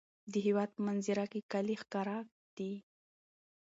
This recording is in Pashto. د هېواد په منظره کې کلي ښکاره دي.